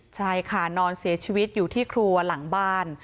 ใช่ค่ะนอนเสียชีวิตอยู่ที่ครัวหลังบ้าน